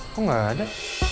kok gak ada